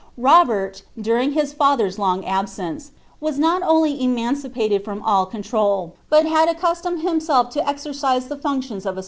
Bo bert, during his father's long absence, was not only emancipated from all I Control, but had accuetomej himself to exercise the functions of a acn^ a AnimltL &.